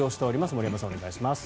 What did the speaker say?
森山さん、お願いします。